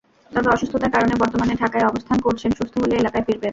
তবে অসুস্থতার কারণে বর্তমানে ঢাকায় অবস্থান করছেন, সুস্থ হলে এলাকায় ফিরবেন।